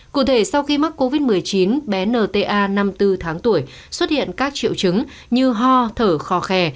cụ thể sau khi mắc covid một mươi chín bé nta năm mươi bốn tháng tuổi xuất hiện các triệu chứng như ho thở khò khè